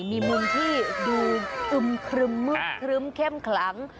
มีมุมที่ดูอึมครึมมืดครึ้มเข้มขลัง